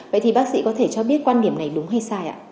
vậy thì bác sĩ có thể cho biết quan điểm này đúng hay sai ạ